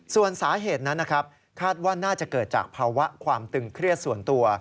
ส่วนสาเหตุนั้นนะครับคาดว่าน่าจะเกิดจากภาวะความตึงเครียดส่วนตัว